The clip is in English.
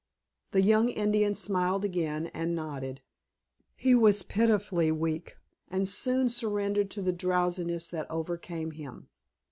The young Indian smiled again, and nodded. He was pitifully weak, and soon surrendered to the drowsiness that overcame him.